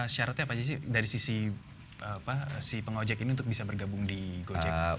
syaratnya apa aja sih dari sisi si pengojek ini untuk bisa bergabung di gojek